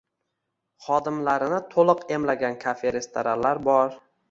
Xodimlarini toʻliq emlagan kafe-restoranlar bor